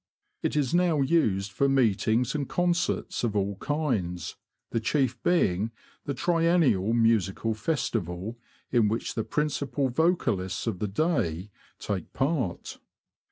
It is now used for meetings and concerts of all kinds, the chief being the Triennial Musical Festival in which the principal vocalists of the day take part.